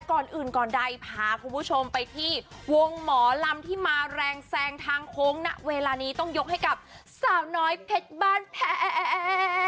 ก่อนอื่นก่อนใดพาคุณผู้ชมไปที่วงหมอลำที่มาแรงแซงทางโค้งณเวลานี้ต้องยกให้กับสาวน้อยเพชรบ้านแพ้